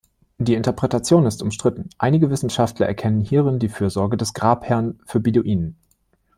Die Interpretation ist umstritten; einige Wissenschaftler erkennen hierin die Fürsorge des Grabherrn für Beduinen.